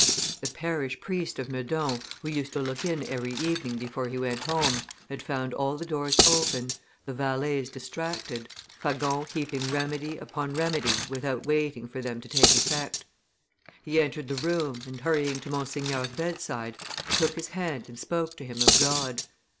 "The parish priest of Meudon, who used to look in every evening before he went home, had found all the doors open, the valets distracted, Fagon heaping remedy upon remedy without waiting for them to take effect. He entered the room, and hurrying to Monseigneur's bedside, took his hand and spoke to him of God.